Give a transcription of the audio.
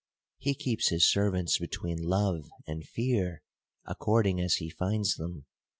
He keeps his servants between love and fear, according as he finds them.